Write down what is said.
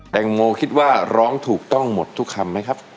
แตงโมคิดว่าร้องถูกต้องหมดทุกคำไหมครับ